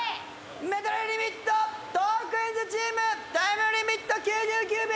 メドレーリミットトークィーンズチームタイムリミット９９秒。